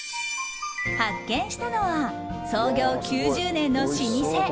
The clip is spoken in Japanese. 発見したのは創業９０年の老舗。